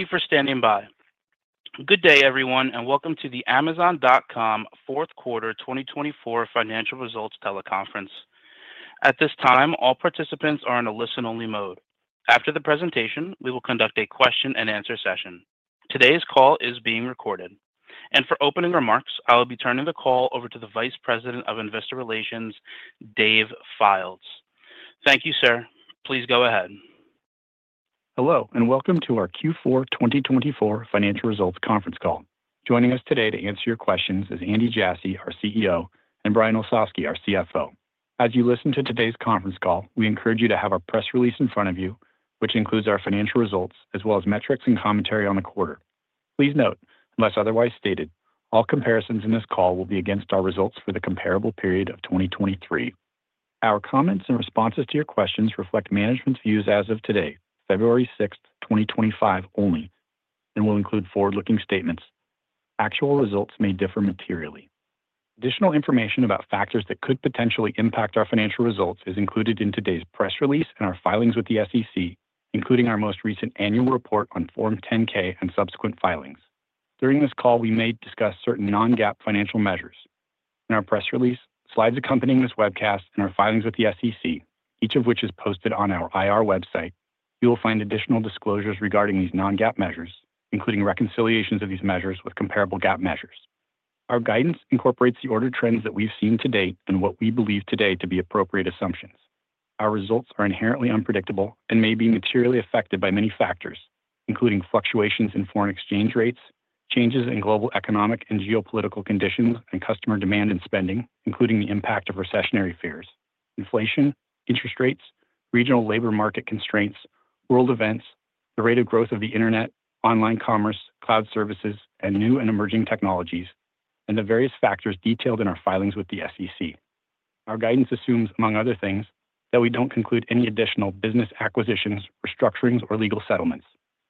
Thank you for standing by. Good day, everyone, and welcome to the Amazon.com Fourth Quarter 2024 Financial Results Teleconference. At this time, all participants are in a listen-only mode. After the presentation, we will conduct a question-and-answer session. Today's call is being recorded, and for opening remarks, I will be turning the call over to the Vice President of Investor Relations, Dave Fildes. Thank you, sir. Please go ahead. Hello, and welcome to our Q4 2024 Financial Results Conference call. Joining us today to answer your questions is Andy Jassy, our CEO, and Brian Olsavsky, our CFO. As you listen to today's conference call, we encourage you to have our press release in front of you, which includes our financial results as well as metrics and commentary on the quarter. Please note, unless otherwise stated, all comparisons in this call will be against our results for the comparable period of 2023. Our comments and responses to your questions reflect management's views as of today, February 6, 2025, only, and will include forward-looking statements. Actual results may differ materially. Additional information about factors that could potentially impact our financial results is included in today's press release and our filings with the SEC, including our most recent annual report on Form 10-K and subsequent filings. During this call, we may discuss certain non-GAAP financial measures. In our press release, slides accompanying this webcast, and our filings with the SEC, each of which is posted on our IR website, you will find additional disclosures regarding these non-GAAP measures, including reconciliations of these measures with comparable GAAP measures. Our guidance incorporates the observed trends that we've seen to date and what we believe today to be appropriate assumptions. Our results are inherently unpredictable and may be materially affected by many factors, including fluctuations in foreign exchange rates, changes in global economic and geopolitical conditions, and customer demand and spending, including the impact of recessionary fears, inflation, interest rates, regional labor market constraints, world events, the rate of growth of the internet, online commerce, cloud services, and new and emerging technologies, and the various factors detailed in our filings with the SEC. Our guidance assumes, among other things, that we don't conclude any additional business acquisitions, restructurings, or legal settlements.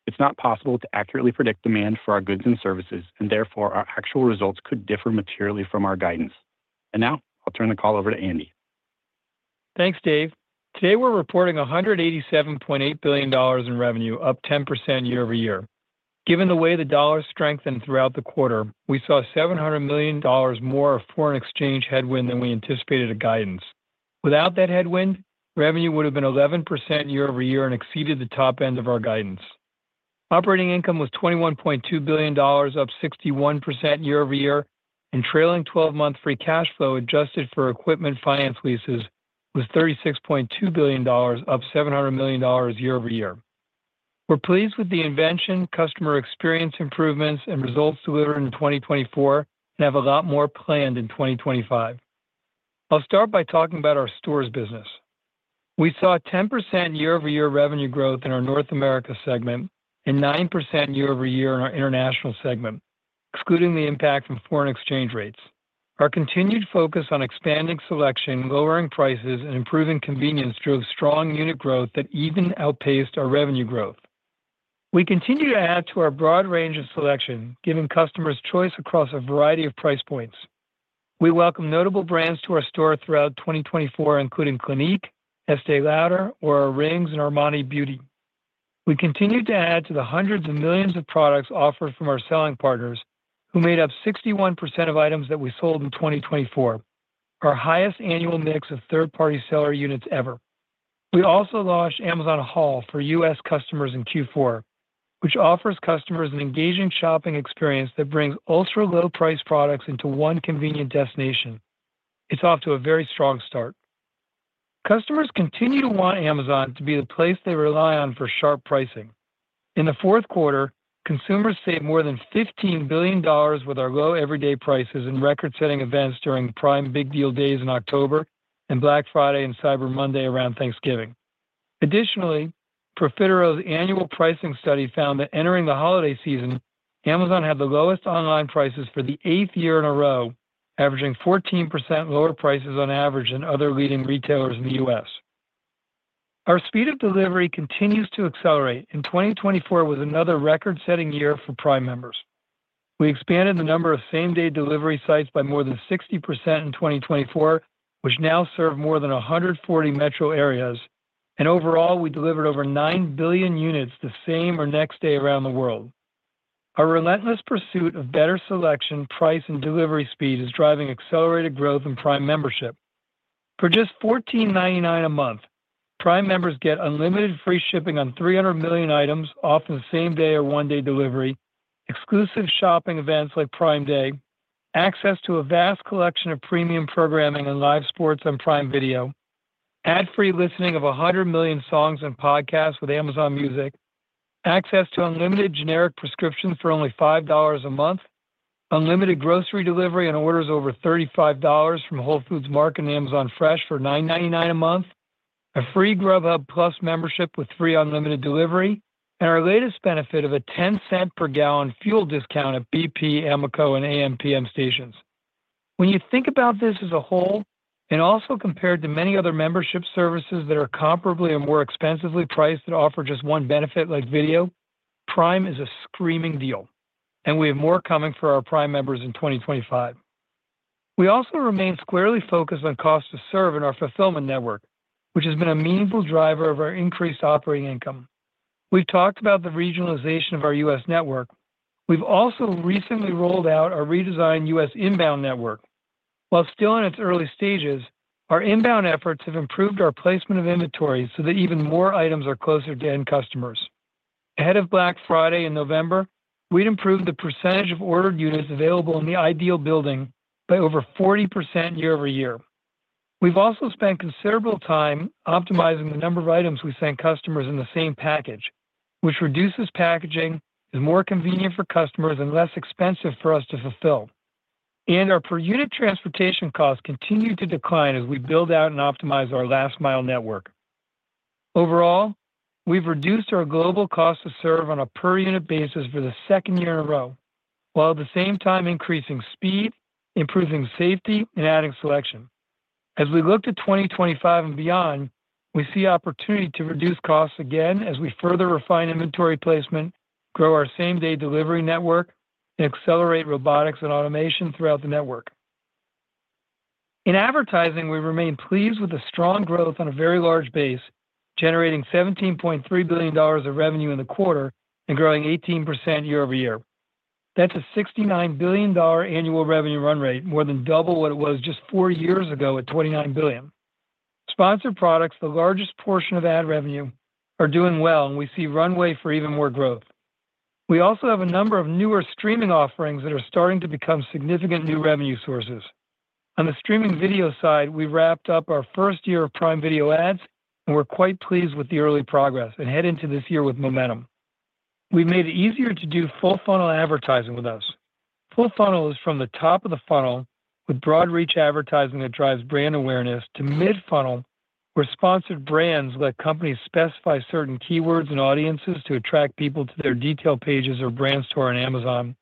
It's not possible to accurately predict demand for our goods and services, and therefore our actual results could differ materially from our guidance. And now I'll turn the call over to Andy. Thanks, Dave. Today we're reporting $187.8 billion in revenue, up 10% year over year. Given the way the dollar strengthened throughout the quarter, we saw $700 million more of foreign exchange headwind than we anticipated in our guidance. Without that headwind, revenue would have been 11% year over year and exceeded the top end of our guidance. Operating income was $21.2 billion, up 61% year over year, and trailing 12-month free cash flow adjusted for equipment finance leases was $36.2 billion, up $700 million year over year. We're pleased with the invention, customer experience improvements, and results delivered in 2024, and have a lot more planned in 2025. I'll start by talking about our stores business. We saw 10% year-over-year revenue growth in our North America segment and 9% year-over-year in our international segment, excluding the impact from foreign exchange rates. Our continued focus on expanding selection, lowering prices, and improving convenience drove strong unit growth that even outpaced our revenue growth. We continue to add to our broad range of selection, giving customers choice across a variety of price points. We welcome notable brands to our store throughout 2024, including Clinique, Estée Lauder, Oura Rings, and Armani Beauty. We continue to add to the hundreds of millions of products offered from our selling partners, who made up 61% of items that we sold in 2024, our highest annual mix of third-party seller units ever. We also launched Amazon Haul for U.S. customers in Q4, which offers customers an engaging shopping experience that brings ultra-low-priced products into one convenient destination. It's off to a very strong start. Customers continue to want Amazon to be the place they rely on for sharp pricing. In the fourth quarter, consumers saved more than $15 billion with our low everyday prices and record-setting events during Prime Big Deal Days in October and Black Friday and Cyber Monday around Thanksgiving. Additionally, Profitero's annual pricing study found that entering the holiday season, Amazon had the lowest online prices for the eighth year in a row, averaging 14% lower prices on average than other leading retailers in the U.S. Our speed of delivery continues to accelerate, and 2024 was another record-setting year for Prime members. We expanded the number of same-day delivery sites by more than 60% in 2024, which now serve more than 140 metro areas, and overall, we delivered over 9 billion units the same or next day around the world. Our relentless pursuit of better selection, price, and delivery speed is driving accelerated growth in Prime membership. For just $14.99 a month, Prime members get unlimited free shipping on 300 million items, often same-day or one-day delivery, exclusive shopping events like Prime Day, access to a vast collection of premium programming and live sports on Prime Video, ad-free listening of 100 million songs and podcasts with Amazon Music, access to unlimited generic prescriptions for only $5 a month, unlimited grocery delivery and orders over $35 from Whole Foods Market and Amazon Fresh for $9.99 a month, a free Grubhub Plus membership with free unlimited delivery, and our latest benefit of a $0.10-per-gallon fuel discount at BP, Amoco, and AM/PM stations. When you think about this as a whole, and also compared to many other membership services that are comparably and more expensively priced that offer just one benefit like video, Prime is a screaming deal, and we have more coming for our Prime members in 2025. We also remain squarely focused on cost-to-serve in our fulfillment network, which has been a meaningful driver of our increased operating income. We've talked about the regionalization of our U.S. network. We've also recently rolled out our redesigned U.S. inbound network. While still in its early stages, our inbound efforts have improved our placement of inventory so that even more items are closer to end customers. Ahead of Black Friday in November, we'd improved the percentage of ordered units available in the ideal building by over 40% year over year. We've also spent considerable time optimizing the number of items we send customers in the same package, which reduces packaging, is more convenient for customers, and less expensive for us to fulfill, and our per-unit transportation costs continue to decline as we build out and optimize our last-mile network. Overall, we've reduced our global cost-to-serve on a per-unit basis for the second year in a row, while at the same time increasing speed, improving safety, and adding selection. As we look to 2025 and beyond, we see opportunity to reduce costs again as we further refine inventory placement, grow our same-day delivery network, and accelerate robotics and automation throughout the network. In advertising, we remain pleased with the strong growth on a very large base, generating $17.3 billion of revenue in the quarter and growing 18% year over year. That's a $69 billion annual revenue run rate, more than double what it was just four years ago at $29 billion. Sponsored Products, the largest portion of ad revenue, are doing well, and we see runway for even more growth. We also have a number of newer streaming offerings that are starting to become significant new revenue sources. On the streaming video side, we wrapped up our first year of Prime Video ads, and we're quite pleased with the early progress and head into this year with momentum. We've made it easier to do full-funnel advertising with us. Full-funnel is from the top of the funnel, with broad-reach advertising that drives brand awareness, to mid-funnel, where Sponsored Brands let companies specify certain keywords and audiences to attract people to their detail pages or brand store on Amazon.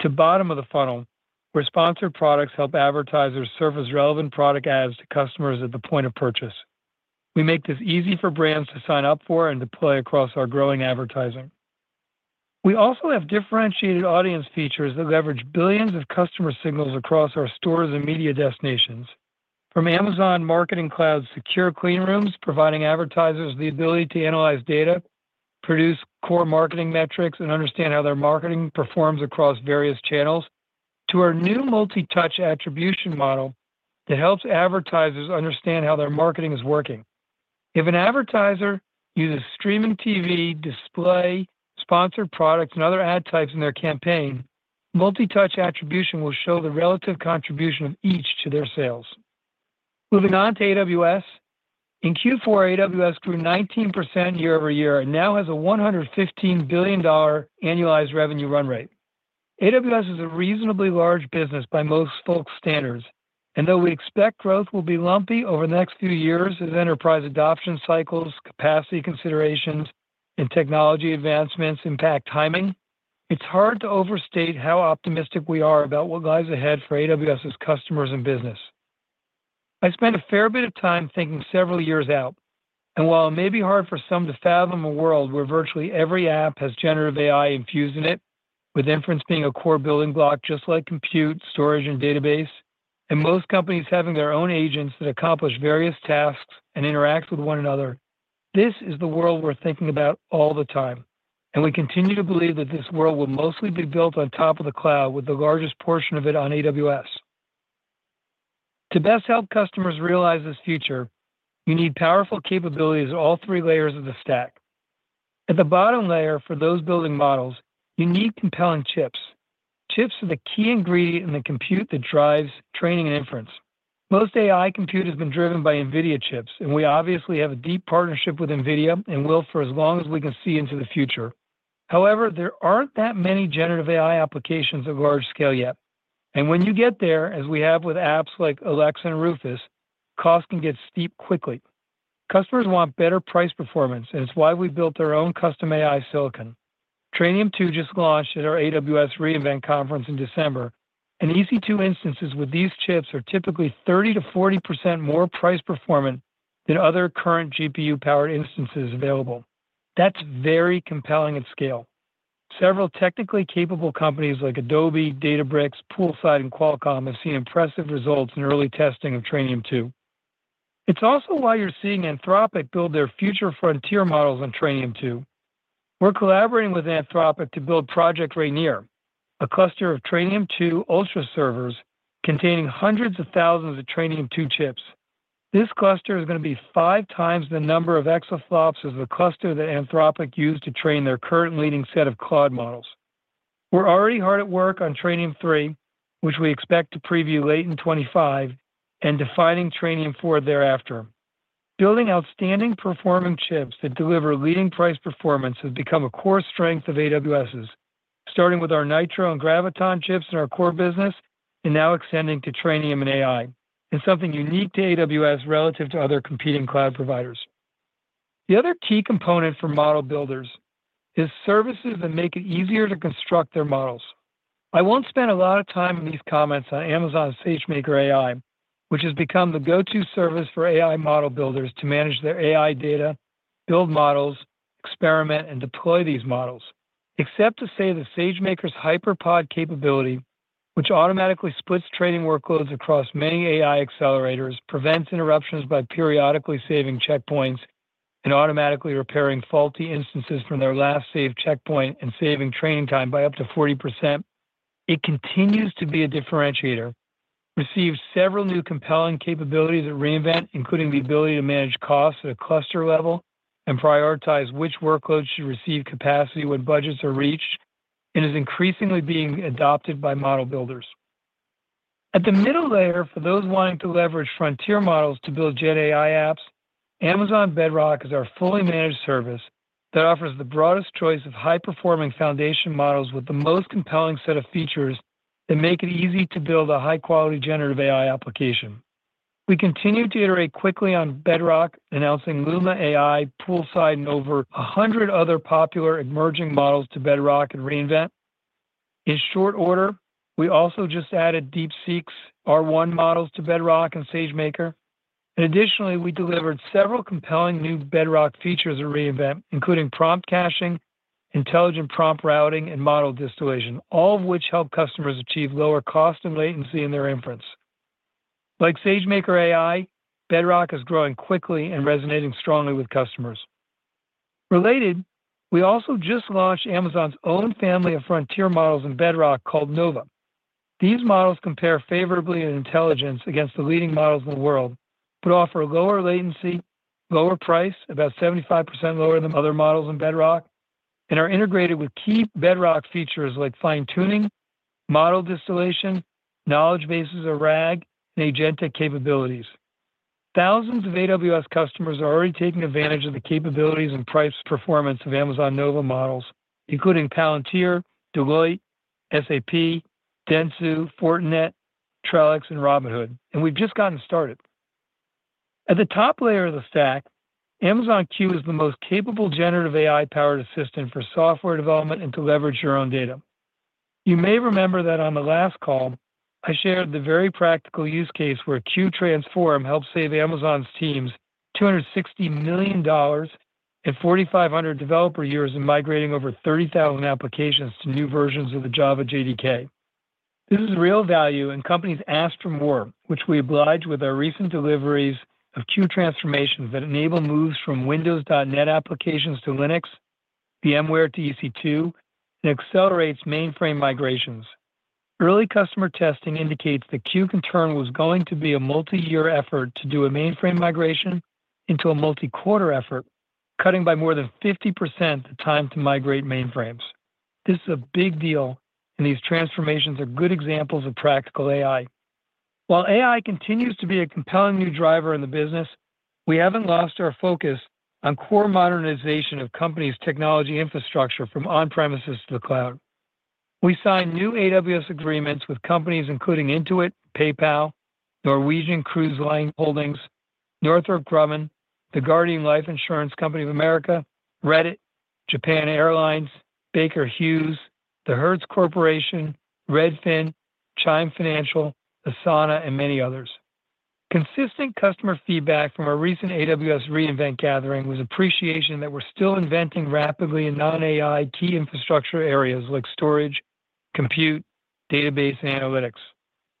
To bottom of the funnel, where Sponsored Products help advertisers surface relevant product ads to customers at the point of purchase. We make this easy for brands to sign up for and deploy across our growing advertising. We also have differentiated audience features that leverage billions of customer signals across our stores and media destinations. From Amazon Marketing Cloud's secure cleanrooms, providing advertisers the ability to analyze data, produce core marketing metrics, and understand how their marketing performs across various channels, to our new multi-touch attribution model that helps advertisers understand how their marketing is working. If an advertiser uses streaming TV, display, Sponsored Products, and other ad types in their campaign, multi-touch attribution will show the relative contribution of each to their sales. Moving on to AWS. In Q4, AWS grew 19% year over year and now has a $115 billion annualized revenue run rate. AWS is a reasonably large business by most folk standards, and though we expect growth will be lumpy over the next few years as enterprise adoption cycles, capacity considerations, and technology advancements impact timing, it's hard to overstate how optimistic we are about what lies ahead for AWS's customers and business. I spent a fair bit of time thinking several years out, and while it may be hard for some to fathom a world where virtually every app has generative AI infused in it, with inference being a core building block just like compute, storage, and database, and most companies having their own agents that accomplish various tasks and interact with one another, this is the world we're thinking about all the time, and we continue to believe that this world will mostly be built on top of the cloud, with the largest portion of it on AWS. To best help customers realize this future, you need powerful capabilities at all three layers of the stack. At the bottom layer, for those building models, you need compelling chips. Chips are the key ingredient in the compute that drives training and inference. Most AI compute has been driven by NVIDIA chips, and we obviously have a deep partnership with NVIDIA and will for as long as we can see into the future. However, there aren't that many generative AI applications at large scale yet, and when you get there, as we have with apps like Alexa and Rufus, costs can get steep quickly. Customers want better price performance, and it's why we built our own custom AI silicon. Trainium 2 just launched at our AWS re:Invent conference in December, and EC2 instances with these chips are typically 30%-40% more price performant than other current GPU-powered instances available. That's very compelling at scale. Several technically capable companies like Adobe, Databricks, Poolside, and Qualcomm have seen impressive results in early testing of Trainium 2. It's also why you're seeing Anthropic build their future frontier models on Trainium 2. We're collaborating with Anthropic to build Project Rainier, a cluster of Trainium 2 Ultra servers containing hundreds of thousands of Trainium 2 chips. This cluster is going to be five times the number of exaflops of the cluster that Anthropic used to train their current leading set of Claude models. We're already hard at work on Trainium 3, which we expect to preview late in 2025, and defining Trainium 4 thereafter. Building outstanding performing chips that deliver leading price performance has become a core strength of AWS's, starting with our Nitro and Graviton chips in our core business and now extending to Trainium and AI, and something unique to AWS relative to other competing cloud providers. The other key component for model builders is services that make it easier to construct their models. I won't spend a lot of time in these comments on Amazon SageMaker AI, which has become the go-to service for AI model builders to manage their AI data, build models, experiment, and deploy these models, except to say the SageMaker HyperPod capability, which automatically splits training workloads across many AI accelerators, prevents interruptions by periodically saving checkpoints and automatically repairing faulty instances from their last saved checkpoint and saving training time by up to 40%. It continues to be a differentiator, receives several new compelling capabilities at re:Invent, including the ability to manage costs at a cluster level and prioritize which workloads should receive capacity when budgets are reached, and is increasingly being adopted by model builders. At the middle layer, for those wanting to leverage frontier models to build GenAI apps, Amazon Bedrock is our fully managed service that offers the broadest choice of high-performing foundation models with the most compelling set of features that make it easy to build a high-quality generative AI application. We continue to iterate quickly on Bedrock, announcing Luma AI, Poolside, and over 100 other popular emerging models to Bedrock and re:Invent. In short order, we also just added DeepSeek's R1 models to Bedrock and SageMaker, and additionally, we delivered several compelling new Bedrock features at re:Invent, including prompt caching, intelligent prompt routing, and model distillation, all of which help customers achieve lower cost and latency in their inference. Like SageMaker AI, Bedrock is growing quickly and resonating strongly with customers. Related, we also just launched Amazon's own family of frontier models in Bedrock called Nova. These models compare favorably in intelligence against the leading models in the world, but offer lower latency, lower price, about 75% lower than other models in Bedrock, and are integrated with key Bedrock features like fine-tuning, model distillation, knowledge bases or RAG, and agentic capabilities. Thousands of AWS customers are already taking advantage of the capabilities and price performance of Amazon Nova models, including Palantir, Deloitte, SAP, Dentsu, Fortinet, Trellix, and Robinhood, and we've just gotten started. At the top layer of the stack, Amazon Q is the most capable generative AI-powered assistant for software development and to leverage your own data. You may remember that on the last call, I shared the very practical use case where QTransform helped save Amazon's teams $260 million and 4,500 developer years in migrating over 30,000 applications to new versions of the Java JDK. This is real value and companies asked for more, which we obliged with our recent deliveries of QTransform that enable moves from Windows .Net applications to Linux, VMware to EC2, and accelerates mainframe migrations. Early customer testing indicates that QTransform was going to be a multi-year effort to do a mainframe migration into a multi-quarter effort, cutting by more than 50% the time to migrate mainframes. This is a big deal, and these transformations are good examples of practical AI. While AI continues to be a compelling new driver in the business, we haven't lost our focus on core modernization of companies' technology infrastructure from on-premises to the cloud. We signed new AWS agreements with companies including Intuit, PayPal, Norwegian Cruise Line Holdings, Northrop Grumman, The Guardian Life Insurance Company of America, Reddit, Japan Airlines, Baker Hughes, The Hertz Corporation, Redfin, Chime Financial, Asana, and many others. Consistent customer feedback from our recent AWS re:Invent gathering was appreciation that we're still inventing rapidly in non-AI key infrastructure areas like storage, compute, database, and analytics.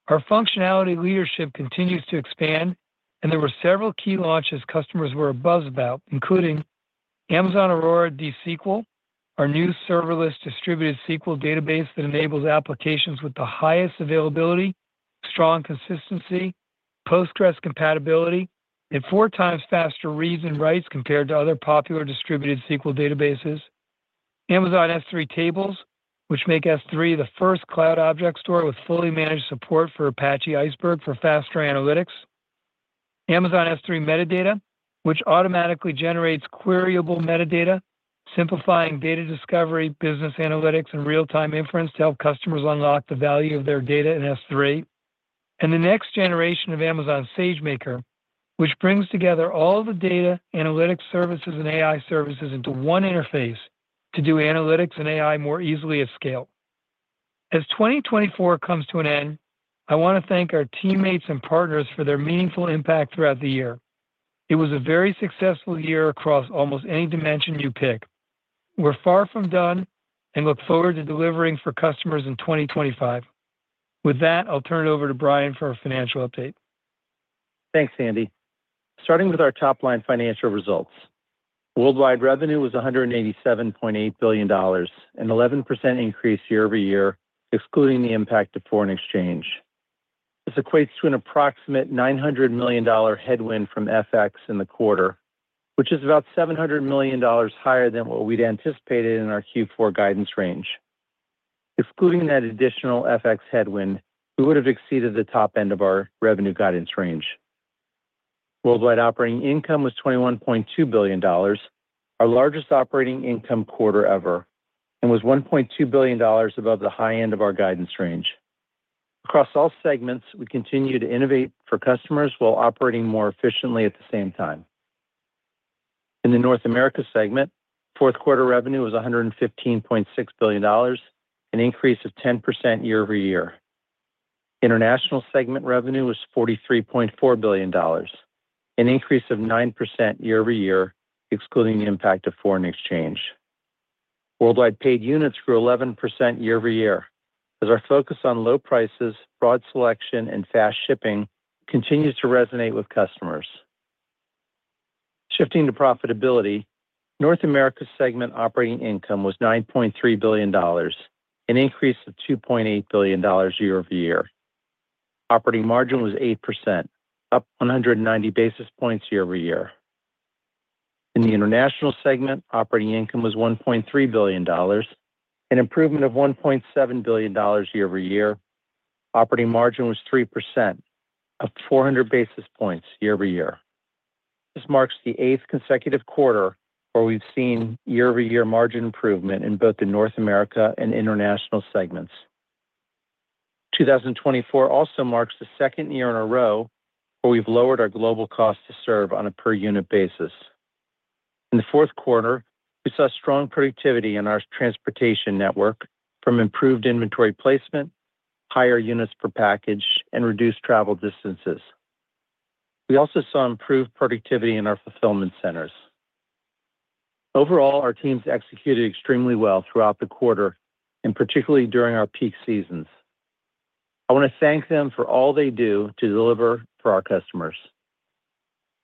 Our functionality leadership continues to expand, and there were several key launches customers were abuzz about, including Amazon Aurora DSQL, our new serverless distributed SQL database that enables applications with the highest availability, strong consistency, Postgres compatibility, and four times faster reads and writes compared to other popular distributed SQL databases. Amazon S3 Tables, which make S3 the first cloud object store with fully managed support for Apache Iceberg for faster analytics. Amazon S3 Metadata, which automatically generates queryable metadata, simplifying data discovery, business analytics, and real-time inference to help customers unlock the value of their data in S3. The next generation of Amazon SageMaker, which brings together all the data, analytic services, and AI services into one interface to do analytics and AI more easily at scale. As 2024 comes to an end, I want to thank our teammates and partners for their meaningful impact throughout the year. It was a very successful year across almost any dimension you pick. We're far from done and look forward to delivering for customers in 2025. With that, I'll turn it over to Brian for our financial update. Thanks, Andy. Starting with our top-line financial results, worldwide revenue was $187.8 billion, an 11% increase year over year, excluding the impact of foreign exchange. This equates to an approximate $900 million headwind from FX in the quarter, which is about $700 million higher than what we'd anticipated in our Q4 guidance range. Excluding that additional FX headwind, we would have exceeded the top end of our revenue guidance range. Worldwide operating income was $21.2 billion, our largest operating income quarter ever, and was $1.2 billion above the high end of our guidance range. Across all segments, we continue to innovate for customers while operating more efficiently at the same time. In the North America segment, fourth quarter revenue was $115.6 billion, an increase of 10% year over year. International segment revenue was $43.4 billion, an increase of 9% year over year, excluding the impact of foreign exchange. Worldwide paid units grew 11% year over year, as our focus on low prices, broad selection, and fast shipping continues to resonate with customers. Shifting to profitability, North America segment operating income was $9.3 billion, an increase of $2.8 billion year over year. Operating margin was 8%, up 190 basis points year over year. In the international segment, operating income was $1.3 billion, an improvement of $1.7 billion year over year. Operating margin was 3%, up 400 basis points year over year. This marks the eighth consecutive quarter where we've seen year-over-year margin improvement in both the North America and international segments. 2024 also marks the second year in a row where we've lowered our global cost to serve on a per-unit basis. In the fourth quarter, we saw strong productivity in our transportation network from improved inventory placement, higher units per package, and reduced travel distances. We also saw improved productivity in our fulfillment centers. Overall, our teams executed extremely well throughout the quarter, and particularly during our peak seasons. I want to thank them for all they do to deliver for our customers.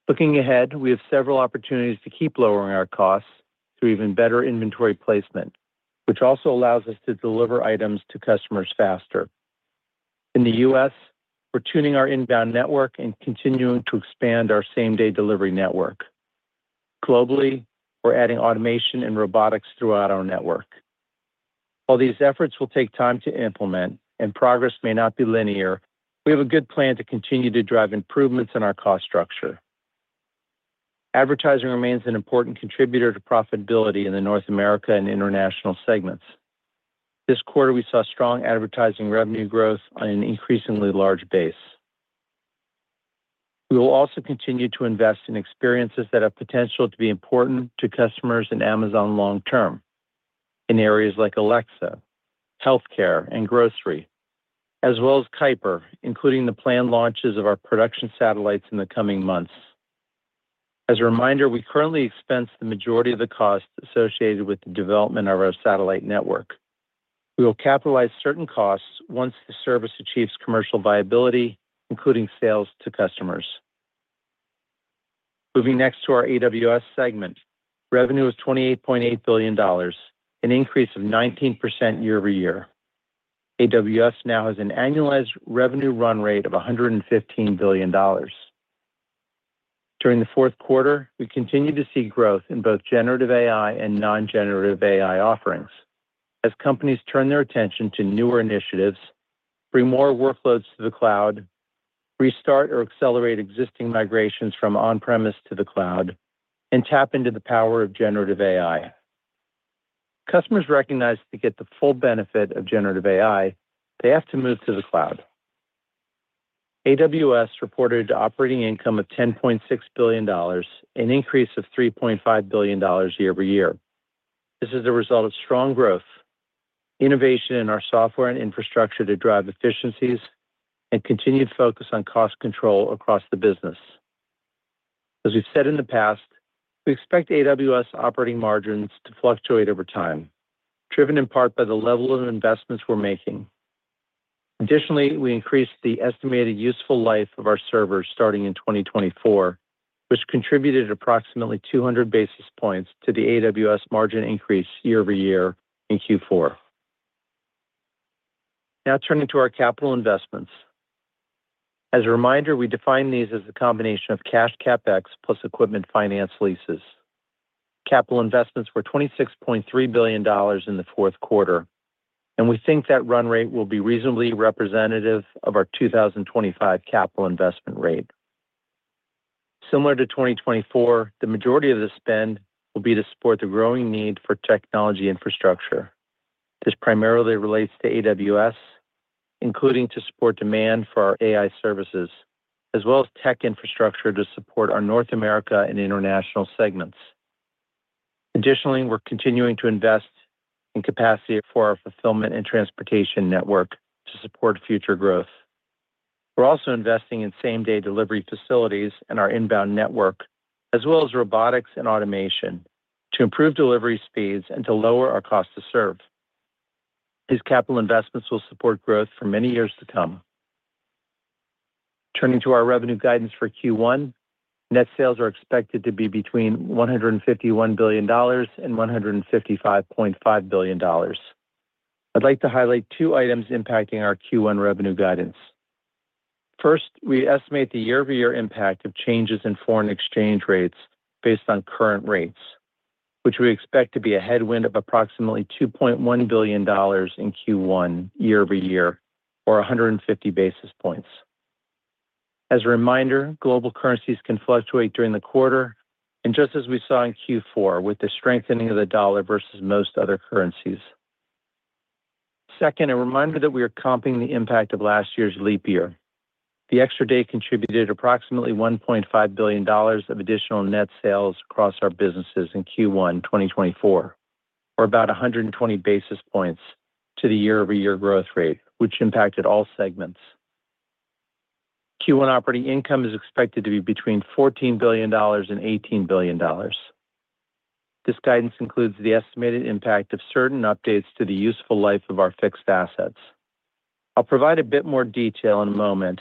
Looking ahead, we have several opportunities to keep lowering our costs through even better inventory placement, which also allows us to deliver items to customers faster. In the U.S., we're tuning our inbound network and continuing to expand our same-day delivery network. Globally, we're adding automation and robotics throughout our network. While these efforts will take time to implement and progress may not be linear, we have a good plan to continue to drive improvements in our cost structure. Advertising remains an important contributor to profitability in the North America and international segments. This quarter, we saw strong advertising revenue growth on an increasingly large base. We will also continue to invest in experiences that have potential to be important to customers and Amazon long-term in areas like Alexa, healthcare, and grocery, as well as Kuiper, including the planned launches of our production satellites in the coming months. As a reminder, we currently expense the majority of the costs associated with the development of our satellite network. We will capitalize certain costs once the service achieves commercial viability, including sales to customers. Moving next to our AWS segment, revenue was $28.8 billion, an increase of 19% year over year. AWS now has an annualized revenue run rate of $115 billion. During the fourth quarter, we continue to see growth in both generative AI and non-generative AI offerings as companies turn their attention to newer initiatives, bring more workloads to the cloud, restart or accelerate existing migrations from on-premise to the cloud, and tap into the power of generative AI. Customers recognize they get the full benefit of generative AI. They have to move to the cloud. AWS reported an operating income of $10.6 billion, an increase of $3.5 billion year over year. This is a result of strong growth, innovation in our software and infrastructure to drive efficiencies, and continued focus on cost control across the business. As we've said in the past, we expect AWS operating margins to fluctuate over time, driven in part by the level of investments we're making. Additionally, we increased the estimated useful life of our servers starting in 2024, which contributed approximately 200 basis points to the AWS margin increase year over year in Q4. Now turning to our capital investments. As a reminder, we define these as the combination of cash CapEx plus equipment finance leases. Capital investments were $26.3 billion in the fourth quarter, and we think that run rate will be reasonably representative of our 2025 capital investment rate. Similar to 2024, the majority of the spend will be to support the growing need for technology infrastructure. This primarily relates to AWS, including to support demand for our AI services, as well as tech infrastructure to support our North America and international segments. Additionally, we're continuing to invest in capacity for our fulfillment and transportation network to support future growth. We're also investing in same-day delivery facilities and our inbound network, as well as robotics and automation to improve delivery speeds and to lower our cost to serve. These capital investments will support growth for many years to come. Turning to our revenue guidance for Q1, net sales are expected to be between $151 billion and $155.5 billion. I'd like to highlight two items impacting our Q1 revenue guidance. First, we estimate the year-over-year impact of changes in foreign exchange rates based on current rates, which we expect to be a headwind of approximately $2.1 billion in Q1 year over year, or 150 basis points. As a reminder, global currencies can fluctuate during the quarter, and just as we saw in Q4 with the strengthening of the dollar versus most other currencies. Second, a reminder that we are comping the impact of last year's leap year. The extra day contributed approximately $1.5 billion of additional net sales across our businesses in Q1 2024, or about 120 basis points to the year-over-year growth rate, which impacted all segments. Q1 operating income is expected to be between $14 billion and $18 billion. This guidance includes the estimated impact of certain updates to the useful life of our fixed assets. I'll provide a bit more detail in a moment,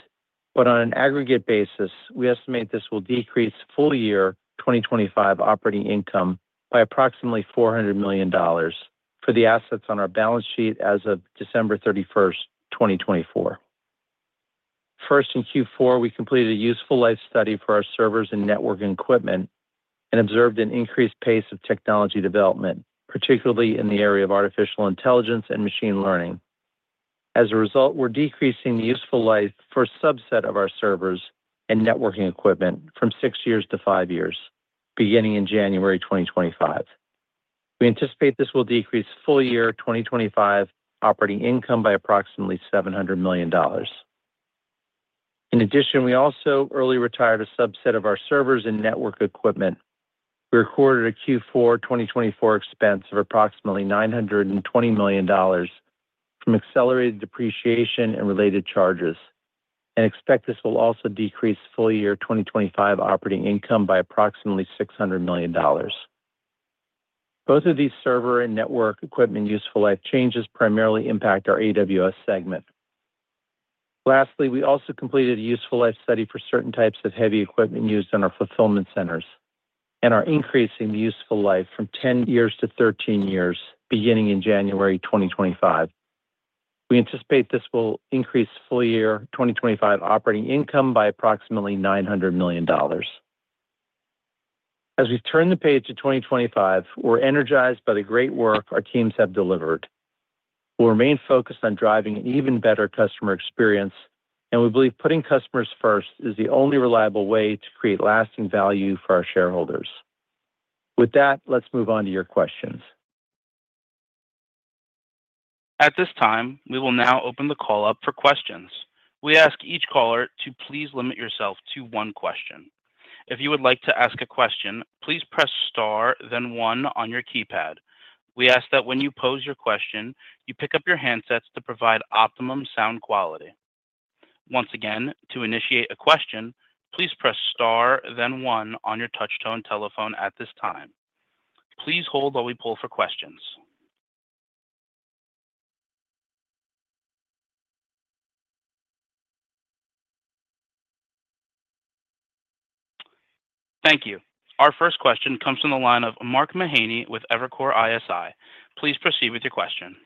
but on an aggregate basis, we estimate this will decrease full year 2025 operating income by approximately $400 million for the assets on our balance sheet as of December 31st, 2024. First, in Q4, we completed a useful life study for our servers and networking equipment and observed an increased pace of technology development, particularly in the area of artificial intelligence and machine learning. As a result, we're decreasing the useful life for a subset of our servers and networking equipment from six years to five years, beginning in January 2025. We anticipate this will decrease full year 2025 operating income by approximately $700 million. In addition, we also early retired a subset of our servers and network equipment. We recorded a Q4 2024 expense of approximately $920 million from accelerated depreciation and related charges and expect this will also decrease full year 2025 operating income by approximately $600 million. Both of these server and network equipment useful life changes primarily impact our AWS segment. Lastly, we also completed a useful life study for certain types of heavy equipment used on our fulfillment centers and are increasing the useful life from 10 years to 13 years, beginning in January 2025. We anticipate this will increase full year 2025 operating income by approximately $900 million. As we turn the page to 2025, we're energized by the great work our teams have delivered. We'll remain focused on driving an even better customer experience, and we believe putting customers first is the only reliable way to create lasting value for our shareholders. With that, let's move on to your questions. At this time, we will now open the call up for questions. We ask each caller to please limit yourself to one question. If you would like to ask a question, please press star, then one on your keypad. We ask that when you pose your question, you pick up your handsets to provide optimum sound quality. Once again, to initiate a question, please press star, then one on your touch-tone telephone at this time. Please hold while we poll for questions. Thank you. Our first question comes from the line of Mark Mahaney with Evercore ISI. Please proceed with your question.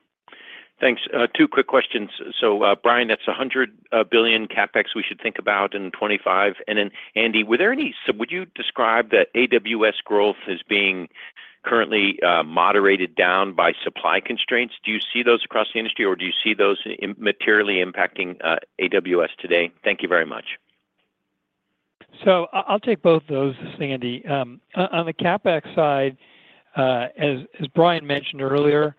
Thanks. Two quick questions. So, Brian, that's $100 billion CapEx we should think about in 2025. And then, Andy, were there any, would you describe that AWS growth as being currently moderated down by supply constraints? Do you see those across the industry, or do you see those materially impacting AWS today? Thank you very much. So I'll take both of those, Andy. On the CapEx side, as Brian mentioned earlier,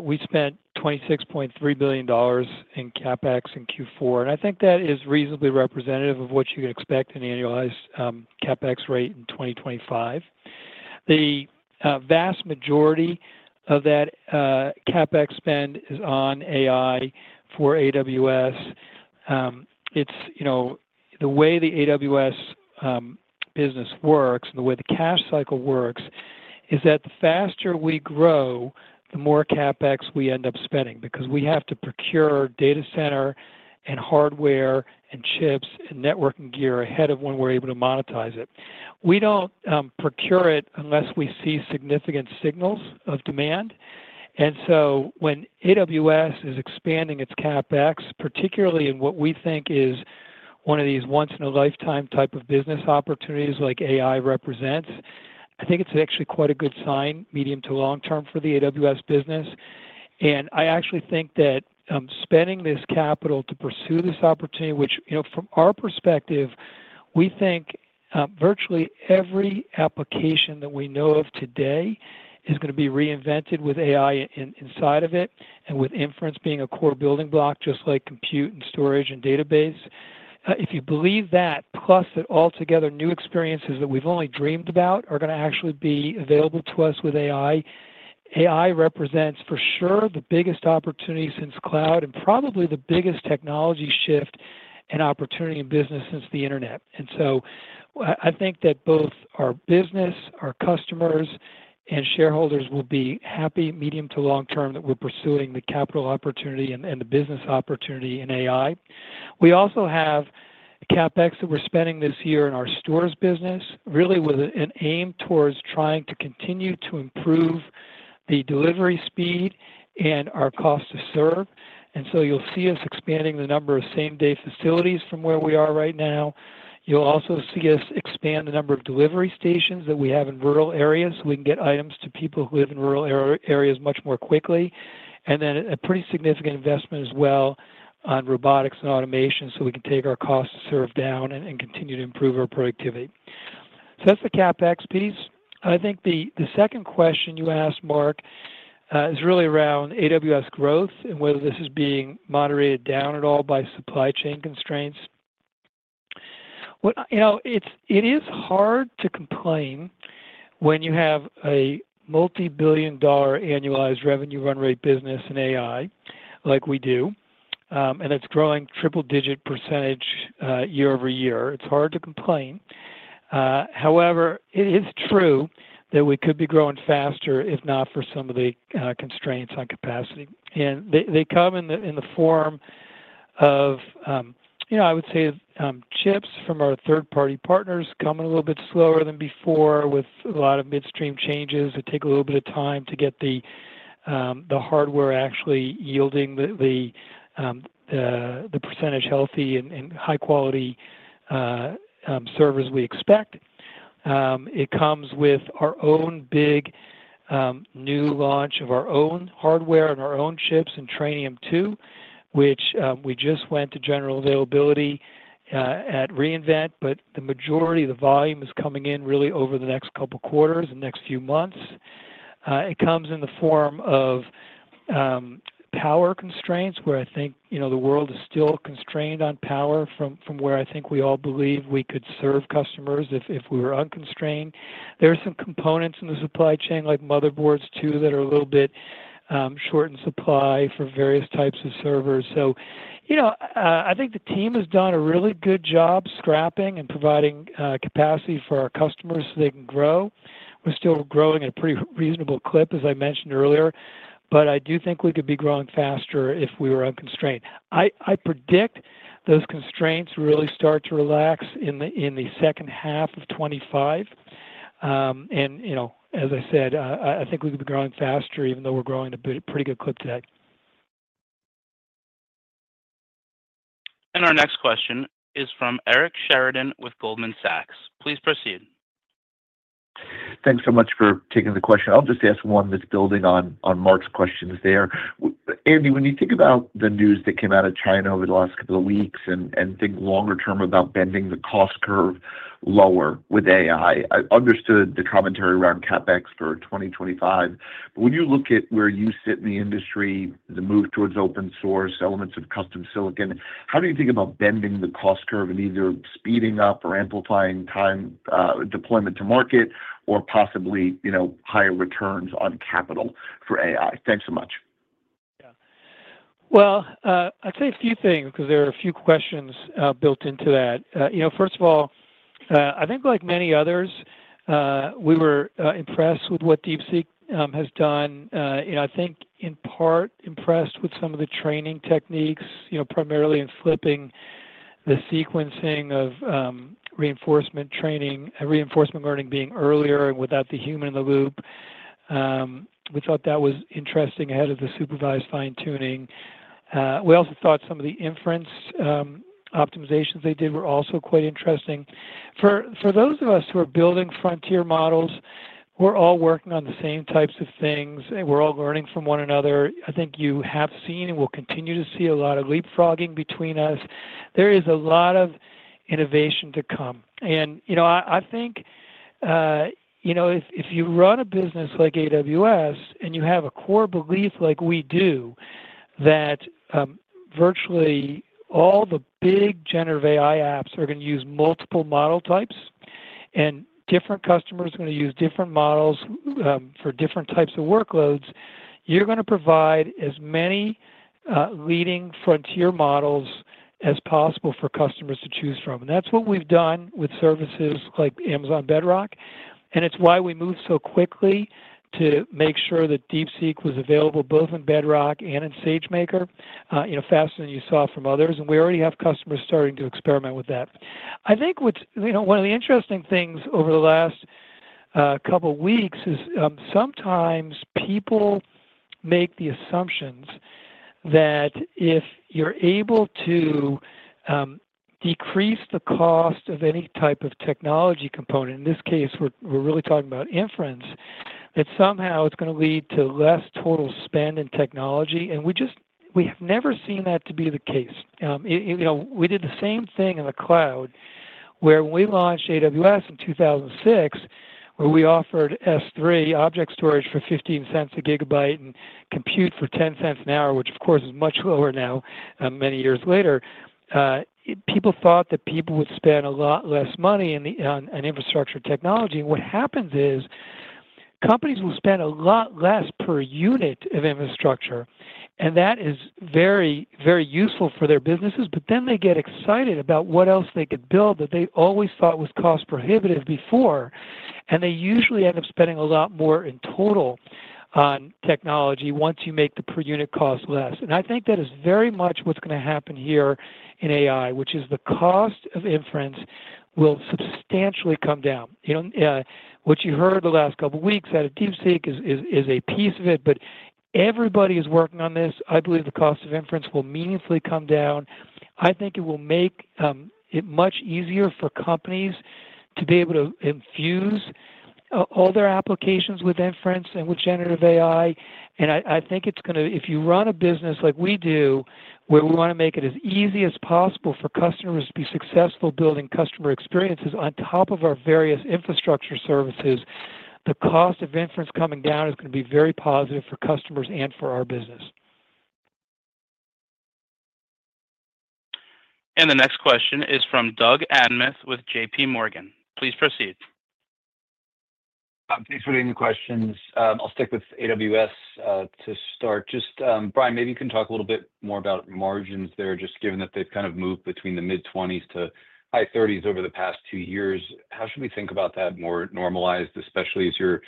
we spent $26.3 billion in CapEx in Q4, and I think that is reasonably representative of what you can expect an annualized CapEx rate in 2025. The vast majority of that CapEx spend is on AI for AWS. The way the AWS business works and the way the cash cycle works is that the faster we grow, the more CapEx we end up spending because we have to procure data center and hardware and chips and networking gear ahead of when we're able to monetize it. We don't procure it unless we see significant signals of demand. And so when AWS is expanding its CapEx, particularly in what we think is one of these once-in-a-lifetime type of business opportunities like AI represents, I think it's actually quite a good sign medium to long-term for the AWS business. I actually think that spending this capital to pursue this opportunity, which from our perspective, we think virtually every application that we know of today is going to be reinvented with AI inside of it and with inference being a core building block, just like compute and storage and database. If you believe that, plus that altogether new experiences that we've only dreamed about are going to actually be available to us with AI, AI represents for sure the biggest opportunity since cloud and probably the biggest technology shift and opportunity in business since the internet. I think that both our business, our customers, and shareholders will be happy medium to long-term that we're pursuing the capital opportunity and the business opportunity in AI. We also have CapEx that we're spending this year in our stores business, really with an aim towards trying to continue to improve the delivery speed and our cost to serve, and so you'll see us expanding the number of same-day facilities from where we are right now. You'll also see us expand the number of delivery stations that we have in rural areas so we can get items to people who live in rural areas much more quickly, and then a pretty significant investment as well on robotics and automation so we can take our cost to serve down and continue to improve our productivity, so that's the CapEx piece. I think the second question you asked, Mark, is really around AWS growth and whether this is being moderated down at all by supply chain constraints. It is hard to complain when you have a multi-billion-dollar annualized revenue run rate business in AI like we do, and it's growing triple-digit % year over year. It's hard to complain. However, it is true that we could be growing faster if not for some of the constraints on capacity. And they come in the form of, I would say, chips from our third-party partners coming a little bit slower than before with a lot of midstream changes. It takes a little bit of time to get the hardware actually yielding the percentage healthy and high-quality servers we expect. It comes with our own big new launch of our own hardware and our own chips and training them too, which we just went to general availability at re:Invent, but the majority of the volume is coming in really over the next couple of quarters, the next few months. It comes in the form of power constraints where I think the world is still constrained on power from where I think we all believe we could serve customers if we were unconstrained. There are some components in the supply chain like motherboards too that are a little bit short in supply for various types of servers. So I think the team has done a really good job scrapping and providing capacity for our customers so they can grow. We're still growing at a pretty reasonable clip, as I mentioned earlier, but I do think we could be growing faster if we were unconstrained. I predict those constraints really start to relax in the second half of 2025. And as I said, I think we could be growing faster even though we're growing at a pretty good clip today. And our next question is from Eric Sheridan with Goldman Sachs. Please proceed. Thanks so much for taking the question. I'll just ask one that's building on Marc's questions there. Andy, when you think about the news that came out of China over the last couple of weeks and think longer term about bending the cost curve lower with AI, I understood the commentary around CapEx for 2025. But when you look at where you sit in the industry, the move towards open source, elements of custom silicon, how do you think about bending the cost curve and either speeding up or amplifying time deployment to market or possibly higher returns on capital for AI? Thanks so much. Yeah. Well, I'd say a few things because there are a few questions built into that. First of all, I think like many others, we were impressed with what DeepSeek has done. I think in part impressed with some of the training techniques, primarily in flipping the sequencing of reinforcement training, reinforcement learning being earlier and without the human in the loop. We thought that was interesting ahead of the supervised fine-tuning. We also thought some of the inference optimizations they did were also quite interesting. For those of us who are building frontier models, we're all working on the same types of things. We're all learning from one another. I think you have seen and will continue to see a lot of leapfrogging between us. There is a lot of innovation to come. I think if you run a business like AWS and you have a core belief like we do that virtually all the big generative AI apps are going to use multiple model types and different customers are going to use different models for different types of workloads, you're going to provide as many leading frontier models as possible for customers to choose from. That's what we've done with services like Amazon Bedrock, and it's why we moved so quickly to make sure that DeepSeek was available both in Bedrock and in SageMaker faster than you saw from others. We already have customers starting to experiment with that. I think one of the interesting things over the last couple of weeks is sometimes people make the assumptions that if you're able to decrease the cost of any type of technology component, in this case, we're really talking about inference, that somehow it's going to lead to less total spend in technology. And we have never seen that to be the case. We did the same thing in the cloud where we launched AWS in 2006, where we offered S3 object storage for $0.15 a gigabyte and compute for $0.10 an hour, which of course is much lower now many years later. People thought that people would spend a lot less money on infrastructure technology. And what happens is companies will spend a lot less per unit of infrastructure, and that is very, very useful for their businesses, but then they get excited about what else they could build that they always thought was cost prohibitive before. And they usually end up spending a lot more in total on technology once you make the per unit cost less. And I think that is very much what's going to happen here in AI, which is the cost of inference will substantially come down. What you heard the last couple of weeks out of DeepSeek is a piece of it, but everybody is working on this. I believe the cost of inference will meaningfully come down. I think it will make it much easier for companies to be able to infuse all their applications with inference and with generative AI. I think it's going to, if you run a business like we do, where we want to make it as easy as possible for customers to be successful building customer experiences on top of our various infrastructure services, the cost of inference coming down is going to be very positive for customers and for our business. The next question is from Doug Anmuth with J.P. Morgan. Please proceed. Thanks for the questions. I'll stick with AWS to start. Just, Brian, maybe you can talk a little bit more about margins there, just given that they've kind of moved between the mid-20s to high 30s over the past two years. How should we think about that more normalized, especially as you're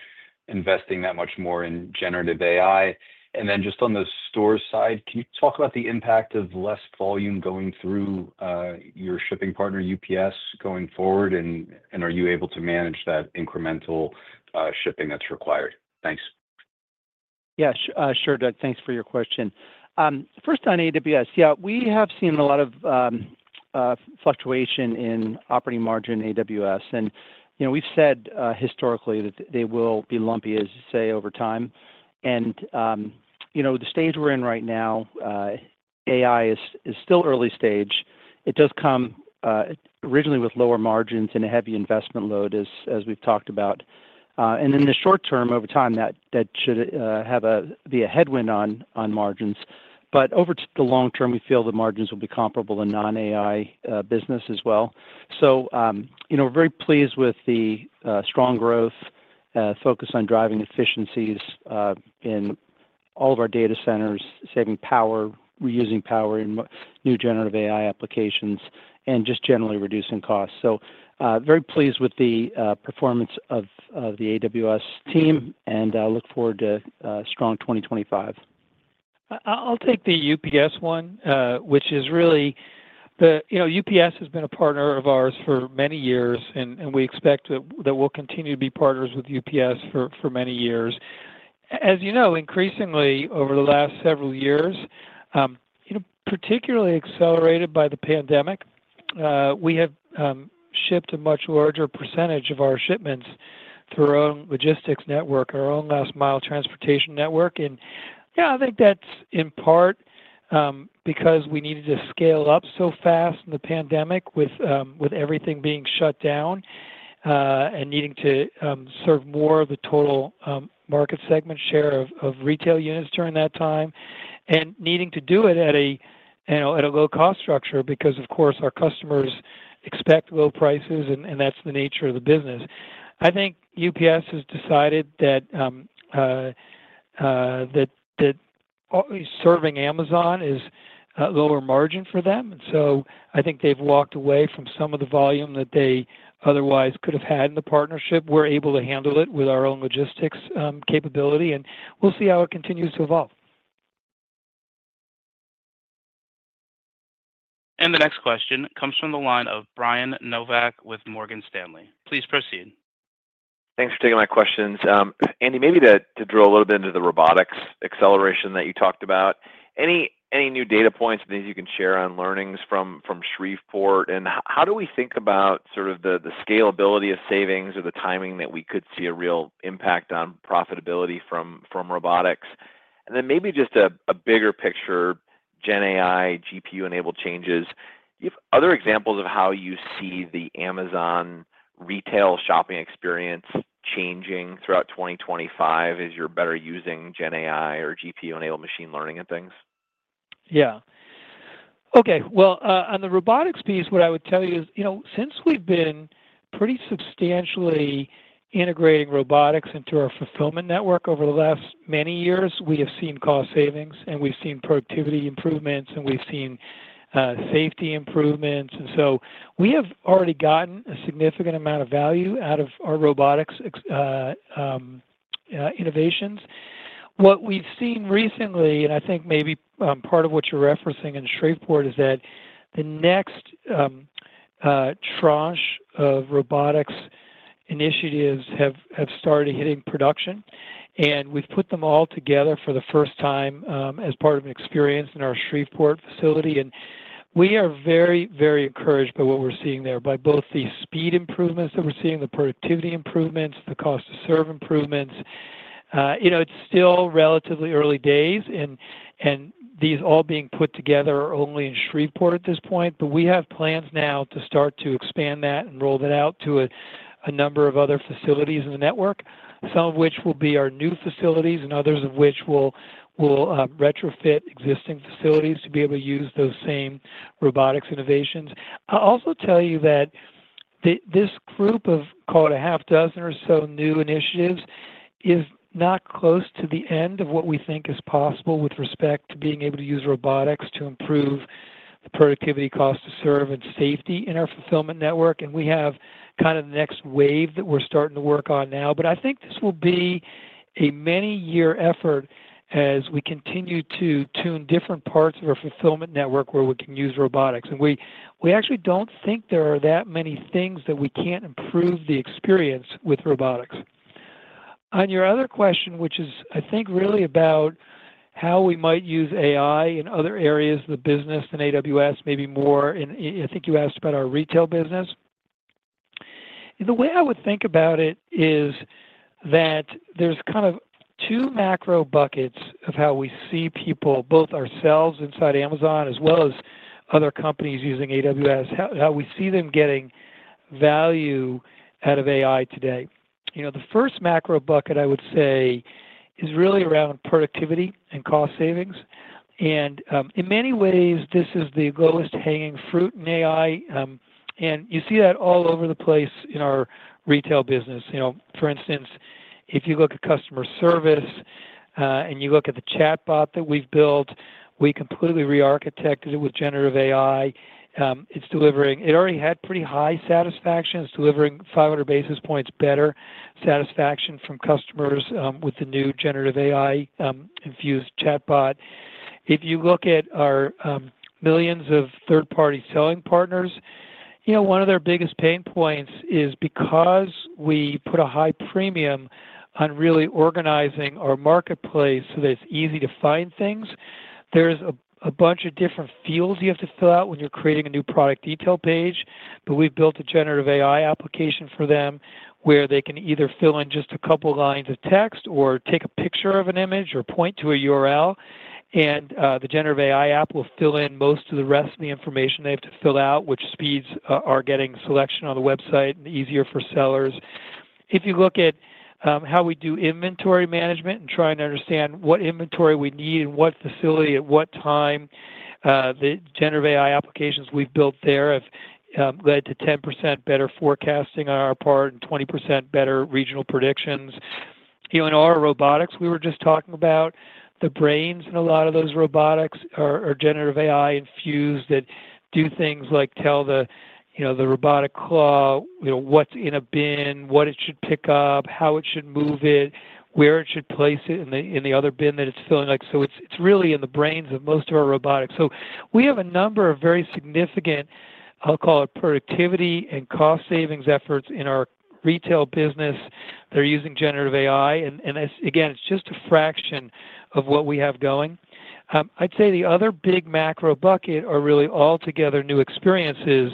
investing that much more in generative AI? And then just on the store side, can you talk about the impact of less volume going through your shipping partner, UPS, going forward? And are you able to manage that incremental shipping that's required? Thanks. Yeah. Sure, Doug. Thanks for your question. First on AWS, yeah, we have seen a lot of fluctuation in operating margin AWS. And we've said historically that they will be lumpy, as you say, over time. And the stage we're in right now, AI is still early stage. It does come originally with lower margins and a heavy investment load, as we've talked about. And in the short term, over time, that should have a headwind on margins. But over the long term, we feel the margins will be comparable in non-AI business as well. So we're very pleased with the strong growth, focus on driving efficiencies in all of our data centers, saving power, reusing power, and new generative AI applications, and just generally reducing costs. So very pleased with the performance of the AWS team, and I look forward to a strong 2025. I'll take the UPS one, which is really, the UPS has been a partner of ours for many years, and we expect that we'll continue to be partners with UPS for many years. As you know, increasingly over the last several years, particularly accelerated by the pandemic, we have shipped a much larger percentage of our shipments through our own logistics network, our own last mile transportation network. And yeah, I think that's in part because we needed to scale up so fast in the pandemic with everything being shut down and needing to serve more of the total market segment share of retail units during that time and needing to do it at a low-cost structure because, of course, our customers expect low prices, and that's the nature of the business. I think UPS has decided that serving Amazon is lower margin for them. And so I think they've walked away from some of the volume that they otherwise could have had in the partnership. We're able to handle it with our own logistics capability, and we'll see how it continues to evolve. And the next question comes from the line of Brian Nowak with Morgan Stanley. Please proceed. Thanks for taking my questions. Andy, maybe to drill a little bit into the robotics acceleration that you talked about, any new data points that you can share on learnings from Shreveport? And how do we think about sort of the scalability of savings or the timing that we could see a real impact on profitability from robotics? And then maybe just a bigger picture, GenAI, GPU-enabled changes. Do you have other examples of how you see the Amazon retail shopping experience changing throughout 2025 as you're better using GenAI or GPU-enabled machine learning and things? Yeah. Okay. Well, on the robotics piece, what I would tell you is since we've been pretty substantially integrating robotics into our fulfillment network over the last many years, we have seen cost savings, and we've seen productivity improvements, and we've seen safety improvements. So we have already gotten a significant amount of value out of our robotics innovations. What we've seen recently, and I think maybe part of what you're referencing in Shreveport, is that the next tranche of robotics initiatives have started hitting production. We've put them all together for the first time as part of an experience in our Shreveport facility. We are very, very encouraged by what we're seeing there, by both the speed improvements that we're seeing, the productivity improvements, the cost-to-serve improvements. It's still relatively early days, and these all being put together are only in Shreveport at this point. But we have plans now to start to expand that and roll that out to a number of other facilities in the network, some of which will be our new facilities and others of which will retrofit existing facilities to be able to use those same robotics innovations. I'll also tell you that this group of, call it a half dozen or so new initiatives, is not close to the end of what we think is possible with respect to being able to use robotics to improve the productivity, cost-to-serve, and safety in our fulfillment network. And we have kind of the next wave that we're starting to work on now. But I think this will be a many-year effort as we continue to tune different parts of our fulfillment network where we can use robotics. We actually don't think there are that many things that we can't improve the experience with robotics. On your other question, which is, I think, really about how we might use AI in other areas of the business in AWS, maybe more, and I think you asked about our retail business. The way I would think about it is that there's kind of two macro buckets of how we see people, both ourselves inside Amazon as well as other companies using AWS, how we see them getting value out of AI today. The first macro bucket, I would say, is really around productivity and cost savings. In many ways, this is the lowest-hanging fruit in AI. You see that all over the place in our retail business. For instance, if you look at customer service and you look at the chatbot that we've built, we completely re-architected it with generative AI. It already had pretty high satisfaction. It's delivering 500 basis points better satisfaction from customers with the new generative AI-infused chatbot. If you look at our millions of third-party selling partners, one of their biggest pain points is because we put a high premium on really organizing our marketplace so that it's easy to find things. There's a bunch of different fields you have to fill out when you're creating a new product detail page. But we've built a generative AI application for them where they can either fill in just a couple of lines of text or take a picture of an image or point to a URL. The generative AI app will fill in most of the rest of the information they have to fill out, which speeds our getting selection on the website and easier for sellers. If you look at how we do inventory management and trying to understand what inventory we need and what facility at what time, the generative AI applications we've built there have led to 10% better forecasting on our part and 20% better regional predictions. In our robotics, we were just talking about the brains in a lot of those robotics are generative AI-infused that do things like tell the robotic claw what's in a bin, what it should pick up, how it should move it, where it should place it in the other bin that it's filling up. So it's really in the brains of most of our robotics. So we have a number of very significant, I'll call it productivity and cost savings efforts in our retail business. They're using generative AI. And again, it's just a fraction of what we have going. I'd say the other big macro bucket are really altogether new experiences.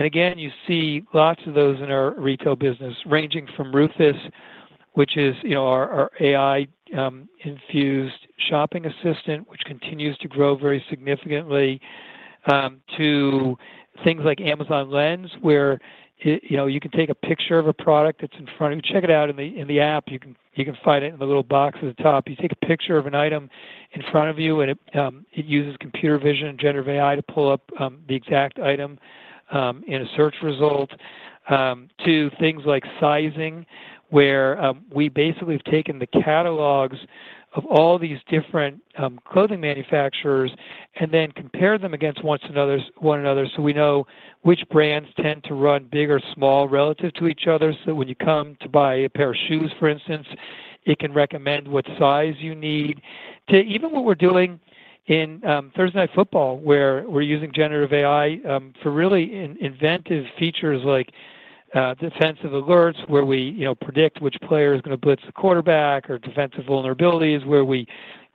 And again, you see lots of those in our retail business, ranging from Rufus, which is our AI-infused shopping assistant, which continues to grow very significantly, to things like Amazon Lens, where you can take a picture of a product that's in front of you. Check it out in the app. You can find it in the little box at the top. You take a picture of an item in front of you, and it uses computer vision and generative AI to pull up the exact item in a search result. To things like sizing, where we basically have taken the catalogs of all these different clothing manufacturers and then compared them against one another so we know which brands tend to run big or small relative to each other so that when you come to buy a pair of shoes, for instance, it can recommend what size you need. To even what we're doing in Thursday Night Football, where we're using generative AI for really inventive features like Defensive alerts, where we predict which player is going to blitz the quarterback, or Defensive Vulnerabilities, where we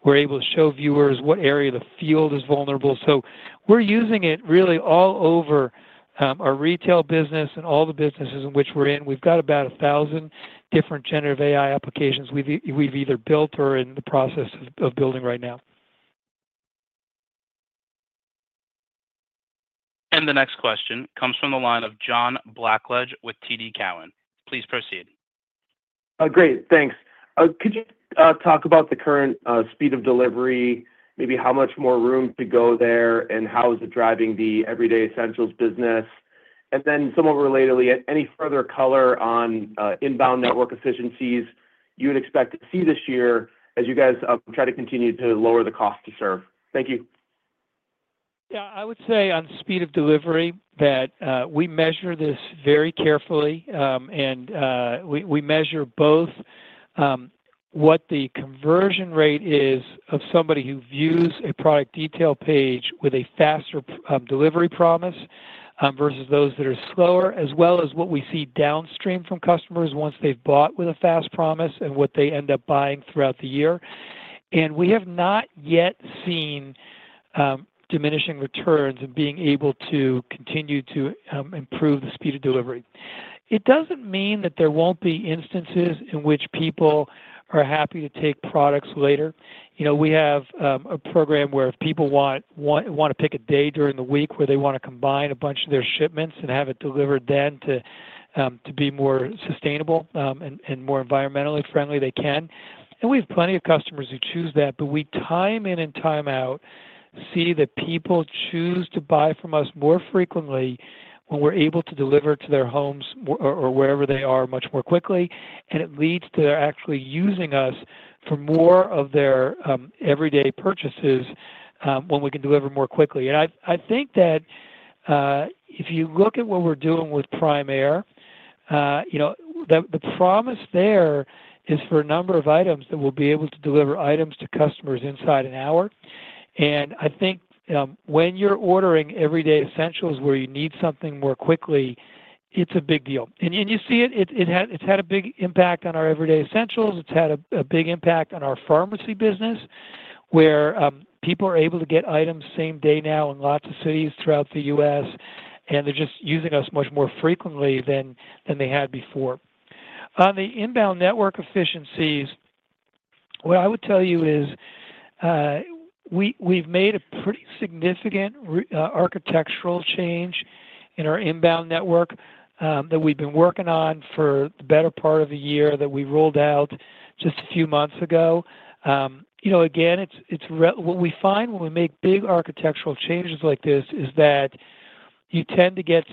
were able to show viewers what area of the field is vulnerable. So we're using it really all over our retail business and all the businesses in which we're in. We've got about 1,000 different generative AI applications we've either built or are in the process of building right now. And the next question comes from the line of John Blackledge with TD Cowen. Please proceed. Great. Thanks. Could you talk about the current speed of delivery, maybe how much more room to go there, and how is it driving the everyday essentials business? And then somewhat relatedly, any further color on inbound network efficiencies you would expect to see this year as you guys try to continue to lower the cost-to-serve? Thank you. Yeah. I would say on speed of delivery that we measure this very carefully. And we measure both what the conversion rate is of somebody who views a product detail page with a faster delivery promise versus those that are slower, as well as what we see downstream from customers once they've bought with a fast promise and what they end up buying throughout the year. We have not yet seen diminishing returns in being able to continue to improve the speed of delivery. It doesn't mean that there won't be instances in which people are happy to take products later. We have a program where if people want to pick a day during the week where they want to combine a bunch of their shipments and have it delivered then to be more sustainable and more environmentally friendly, they can. We have plenty of customers who choose that. But we time and time again see that people choose to buy from us more frequently when we're able to deliver to their homes or wherever they are much more quickly. It leads to them actually using us for more of their everyday purchases when we can deliver more quickly. And I think that if you look at what we're doing with Prime Air, the promise there is for a number of items that we'll be able to deliver items to customers inside an hour. And I think when you're ordering everyday essentials where you need something more quickly, it's a big deal. And you see it. It's had a big impact on our everyday essentials. It's had a big impact on our pharmacy business, where people are able to get items same day now in lots of cities throughout the U.S. And they're just using us much more frequently than they had before. On the inbound network efficiencies, what I would tell you is we've made a pretty significant architectural change in our inbound network that we've been working on for the better part of a year that we rolled out just a few months ago. Again, what we find when we make big architectural changes like this is that you tend to get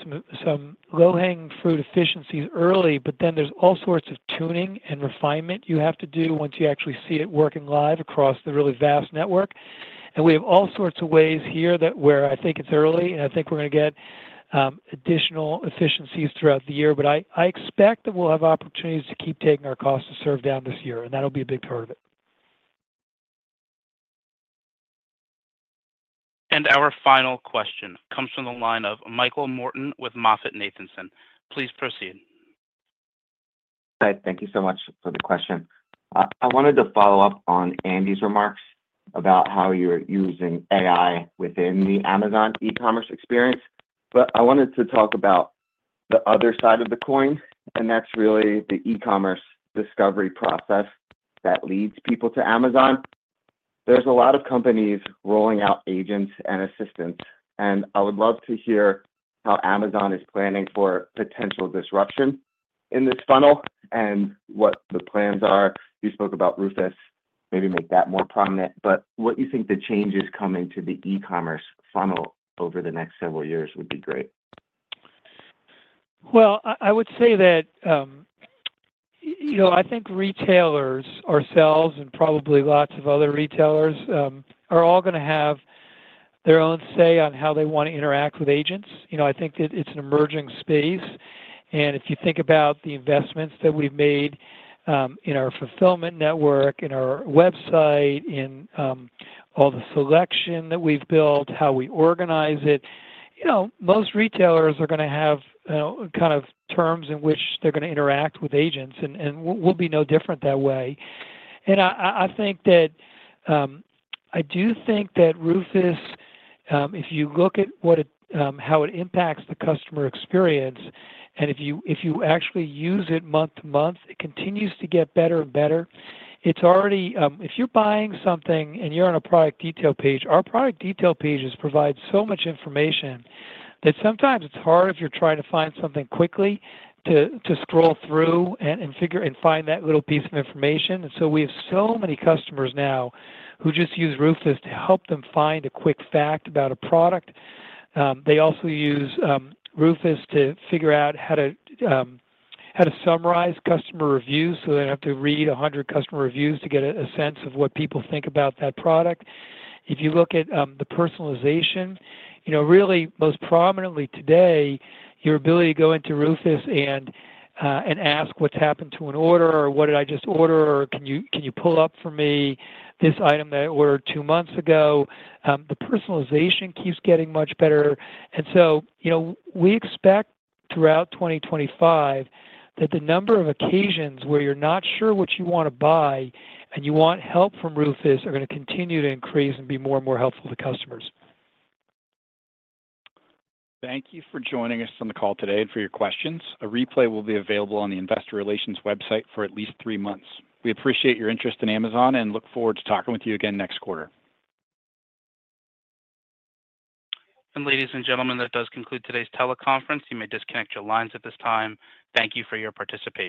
some low-hanging fruit efficiencies early, but then there's all sorts of tuning and refinement you have to do once you actually see it working live across the really vast network. We have all sorts of ways here where I think it's early, and I think we're going to get additional efficiencies throughout the year. I expect that we'll have opportunities to keep taking our cost-to-serve down this year, and that'll be a big part of it. Our final question comes from the line of Michael Morton with Moffett Nathanson. Please proceed. Hi. Thank you so much for the question. I wanted to follow up on Andy's remarks about how you're using AI within the Amazon e-commerce experience. But I wanted to talk about the other side of the coin, and that's really the e-commerce discovery process that leads people to Amazon. There's a lot of companies rolling out agents and assistants, and I would love to hear how Amazon is planning for potential disruption in this funnel and what the plans are. You spoke about Rufus. Maybe make that more prominent. But what you think the changes come into the e-commerce funnel over the next several years would be great. Well, I would say that I think retailers ourselves and probably lots of other retailers are all going to have their own say on how they want to interact with agents. I think that it's an emerging space. And if you think about the investments that we've made in our fulfillment network, in our website, in all the selection that we've built, how we organize it, most retailers are going to have kind of terms in which they're going to interact with agents, and we'll be no different that way. And I think that I do think that Rufus, if you look at how it impacts the customer experience and if you actually use it month to month, it continues to get better and better. If you're buying something and you're on a product detail page, our product detail pages provide so much information that sometimes it's hard if you're trying to find something quickly to scroll through and find that little piece of information. And so we have so many customers now who just use Rufus to help them find a quick fact about a product. They also use Rufus to figure out how to summarize customer reviews so they don't have to read 100 customer reviews to get a sense of what people think about that product. If you look at the personalization, really most prominently today, your ability to go into Rufus and ask, "What's happened to an order?" or, "What did I just order?" or, "Can you pull up for me this item that I ordered two months ago?" The personalization keeps getting much better, and so we expect throughout 2025 that the number of occasions where you're not sure what you want to buy and you want help from Rufus are going to continue to increase and be more and more helpful to customers. Thank you for joining us on the call today and for your questions. A replay will be available on the investor relations website for at least three months. We appreciate your interest in Amazon and look forward to talking with you again next quarter. And ladies and gentlemen, that does conclude today's teleconference. You may disconnect your lines at this time. Thank you for your participation.